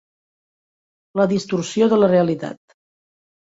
La distorsió de la realitat.